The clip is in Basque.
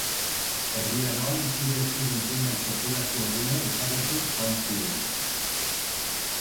Erdi Aroan kide ziren zenbait populazio-gune desagertuz joan ziren.